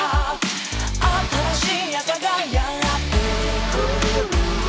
「新しい朝がやってくる」